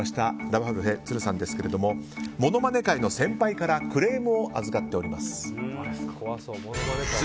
ラパルフェ都留さんですがものまね界の先輩からクレームを預かっております。